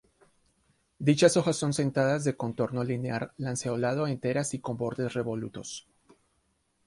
Dichas hojas son sentadas, de contorno linear-lanceolado, enteras y con bordes revolutos.